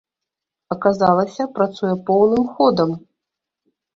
Аказалася, працуе поўным ходам.